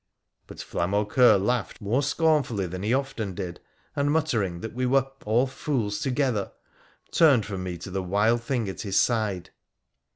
But Flamaucoeur laughed more scornfully than he often PIIRA THE PHCENIC1AN 179 did, and, muttering that we were ' all fools together,' turned from me to the wild thing at his side.